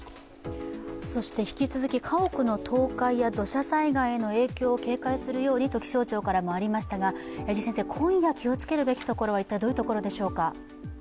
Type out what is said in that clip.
引き続き家屋の倒壊や土砂災害への影響を警戒するようにと気象庁からもありましたが今夜気をつけるべきことはどういったところでしょうか。